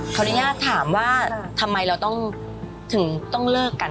เขาเนี่ยถามว่าทำไมเราถึงต้องเลิกกัน